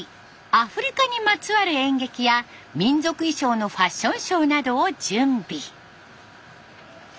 アフリカにまつわる演劇や民族衣装のファッションショーなどを準備。